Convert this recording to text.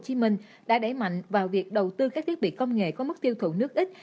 hồ chí minh đã đẩy mạnh vào việc đầu tư các thiết bị công nghệ có mức tiêu thụ nước ít